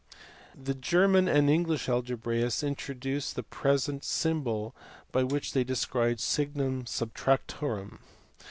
The German and English algebraists introduced the present symbol which they described as signum subtractorum.